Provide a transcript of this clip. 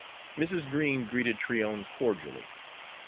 Mrs. Green greeted Tryon cordially.